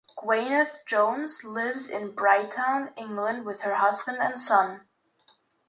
Gwyneth Jones lives in Brighton, England, with her husband and son.